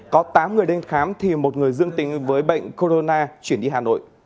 có tám người đến khám thì một người dương tính với bệnh corona chuyển đi hà nội